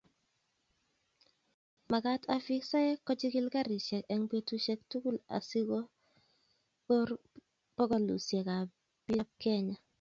Magat afisaek kochigil garisiek eng betusiek tugul asikor bogolusiekab bikap Kenya